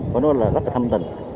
và nó rất là thâm tình